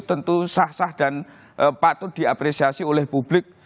tentu sah sah dan patut diapresiasi oleh publik